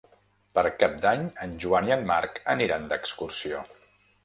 Per Cap d'Any en Joan i en Marc aniran d'excursió.